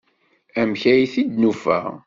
Amek ay t-id-nufa?